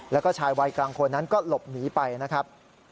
แล้วก็ชายวัยกลางคนนั้นก็หลบหนีไปนะครับ